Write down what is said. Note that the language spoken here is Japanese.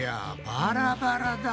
バラバラだ。